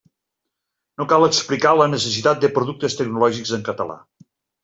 No cal explicar la necessitat de productes tecnològics en català.